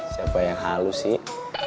siapa yang halu sih